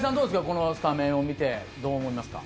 このスタメンを見てどう思いますか？